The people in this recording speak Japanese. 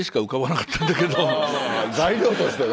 材料としてね。